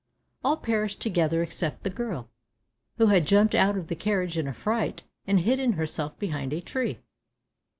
All perished together except the girl, who had jumped out of the carriage in a fright, and hidden herself behind a tree.